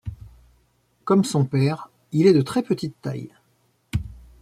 Comme son père, il est de très petite taille.